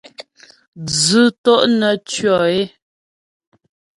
Dzʉ́ tó’ nə́ tʉɔ é.